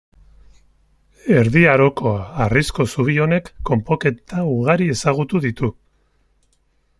Erdi Aroko harrizko zubi honek konponketa ugari ezagutu ditu.